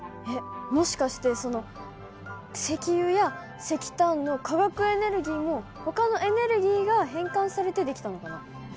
えっもしかしてその石油や石炭の化学エネルギーもほかのエネルギーが変換されて出来たのかな？